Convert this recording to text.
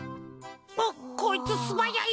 おっこいつすばやい。